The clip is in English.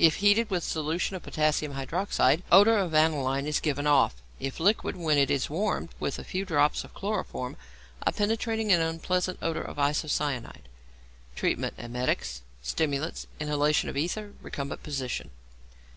If heated with solution of potassium hydroxide, odour of aniline is given off; if liquid, when it is warmed with a few drops of chloroform, a penetrating and unpleasant odour of isocyanide. Treatment. Emetics, stimulants, inhalation of ether, recumbent position.